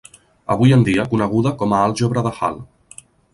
Avui en dia coneguda com a àlgebra de Hall.